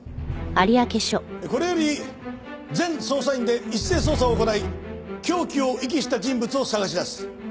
これより全捜査員で一斉捜査を行い凶器を遺棄した人物を捜し出す。